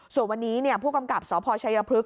ส่วนวันนี้ผู้กำกับสพชัยพฤกษ